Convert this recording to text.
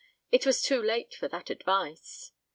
It was too late for that advice.